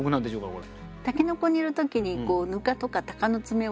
これ。